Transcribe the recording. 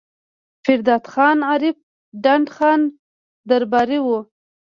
پير داد خان عرف ډنډ خان درباري وو